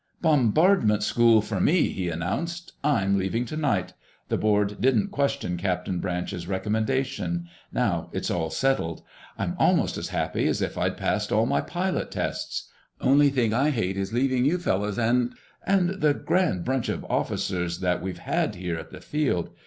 "Bombardment school for me!" he announced. "I'm leaving tonight. The board didn't question Captain Branch's recommendation. Now it's all settled, I'm almost as happy as if I'd passed all my pilot tests. Only thing I hate is leaving you fellows, and—and the grand bunch of officers that we've had here at the Field.